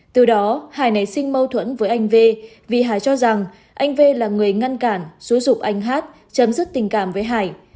từ đó hải nảy sinh mâu thuẫn với anh v vì hải cho rằng anh v là người ngăn cản xúi dục anh hát chấm dứt tình cảm với hải